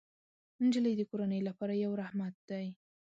نجلۍ د کورنۍ لپاره یو رحمت دی.